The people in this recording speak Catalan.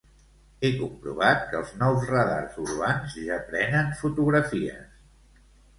He comprovat que els nous radars urbans ja prenen fotografies.